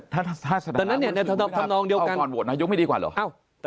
ถ้าสนับสนับคุณพิมพิภาพก่อนโหวตนายกแล้วไหม